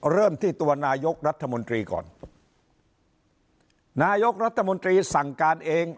เริ่มที่ตัวนายกรัฐมนตรีก่อนนายกรัฐมนตรีสั่งการเอง